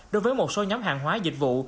đối với một số nhóm hàng hóa dịch vụ